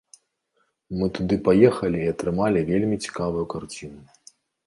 Мы туды паехалі і атрымалі вельмі цікавую карціну.